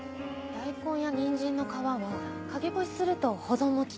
大根や人参の皮は陰干しすると保存も利きます。